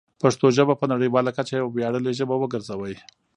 پښتو ژبه په نړیواله کچه یوه ویاړلې ژبه وګرځوئ.